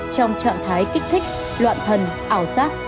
trong trạng thái kích thích loạn thần ảo giác